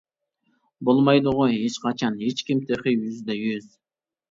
بولمايدىغۇ ھېچقاچان، ھېچكىم تېخى يۈزدە يۈز!